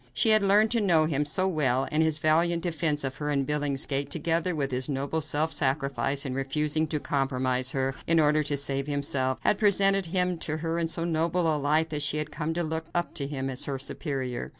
She had learned to know him so well, and his valiant defense of her in Billingsgate, together with his noble self sacrifice in refusing to compromise her in order to save himself, had presented him to her in so noble a light that she had come to look up to him as her superior.